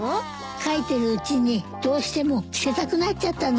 描いてるうちにどうしても着せたくなっちゃったの。